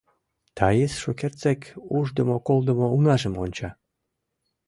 Таис шукертсек уждымо-колдымо унажым онча.